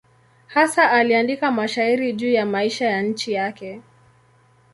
Hasa aliandika mashairi juu ya maisha ya nchi yake.